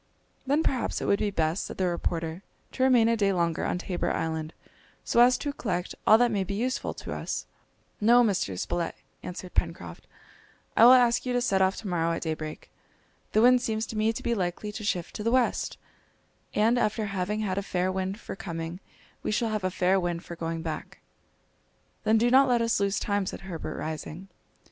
"Then perhaps it would be best," said the reporter, "to remain a day longer on Tabor Island, so as to collect all that may be useful to us." "No, Mr. Spilett," answered Pencroft, "I will ask you to set off to morrow at daybreak. The wind seems to me to be likely to shift to the west, and after having had a fair wind for coming we shall have a fair wind for going back." "Then do not let us lose time," said Herbert, rising.